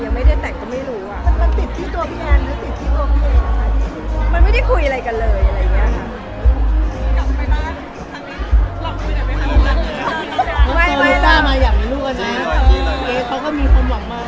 ยังไม่ได้แต่งนะฮะก็เลยมันก็เลยยังไม่ได้มีอ่ะ